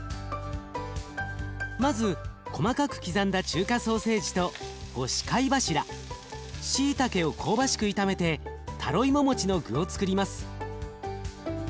まず細かく刻んだ中華ソーセージと干し貝柱しいたけを香ばしく炒めてタロイモ餅の具をつくります。